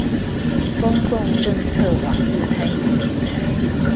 公共政策網路參與平台